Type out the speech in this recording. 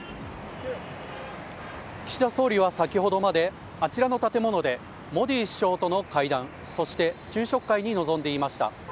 岸田総理は先ほどまであちらの建物でモディ首相との会談、そして昼食会に臨んでいました。